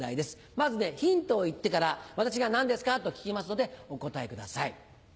まずねヒントを言ってから私が「何ですか？」と聞きますのでお答えください。